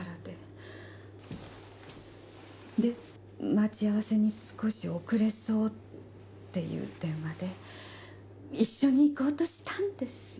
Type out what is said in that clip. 「待ち合わせに少し遅れそう」っていう電話で一緒に行こうとしたんですよ。